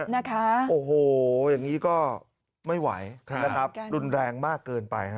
นะคะโอ้โหอย่างนี้ก็ไม่ไหวนะครับรุนแรงมากเกินไปฮะ